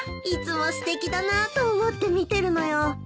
いつもすてきだなぁと思って見てるのよ。